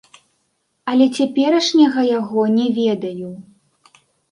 Але цяперашняга яго не ведаю.